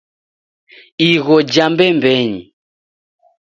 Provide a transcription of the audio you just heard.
Igho ja mbembenyi